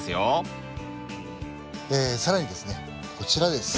更にですねこちらです。